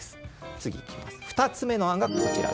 次、２つ目の案がこちら。